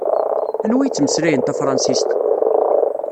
Anwa ittmeslayen tafṛansist?